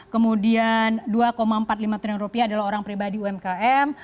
kemudian dua empat puluh lima triliun rupiah adalah orang pribadi umkm